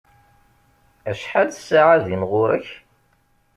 Acḥal ssaɛa din ɣur-k?